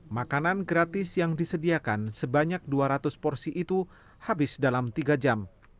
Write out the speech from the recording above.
makanan gratis yang disediakan sebanyak dua ratus porsi itu habis dalam tiga jam